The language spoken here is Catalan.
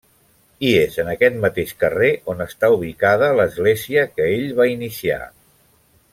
I és en aquest mateix carrer on està ubicada l'església que ell va iniciar.